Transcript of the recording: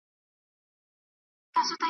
د هرچا به له سفر څخه زړه شین وو .